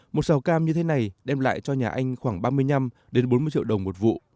một xào cam như thế này đem lại cho nhà anh khoảng ba mươi năm bốn mươi triệu đồng một vụ